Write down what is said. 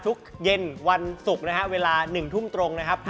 เย็นวันศุกร์นะฮะเวลา๑ทุ่มตรงนะครับ